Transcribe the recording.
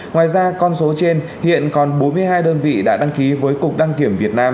ngoài ra con số trên hiện còn bốn mươi hai đơn vị đã đăng ký với cục đăng kiểm việt nam